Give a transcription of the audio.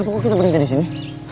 ki kenapa kita berada disini